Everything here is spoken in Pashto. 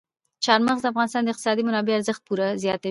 چار مغز د افغانستان د اقتصادي منابعو ارزښت پوره زیاتوي.